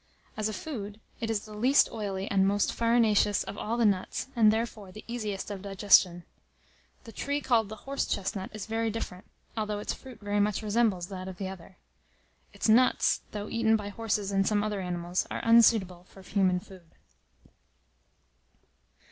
As a food, it is the least oily and most farinaceous of all the nuts, and, therefore, the easiest of digestion. The tree called the horse chestnut is very different, although its fruit very much resembles that of the other. Its "nuts," though eaten by horses and some other animals, are unsuitable for human food.